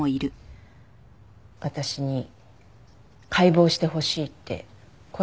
私に解剖してほしいって声をかけてきたんです。